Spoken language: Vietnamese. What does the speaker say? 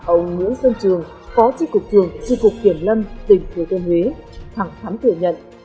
ông nướng xuân trường phó chí cục trường duy cục kiểm lâm tỉnh hồ tôn huế thẳng thắn thừa nhận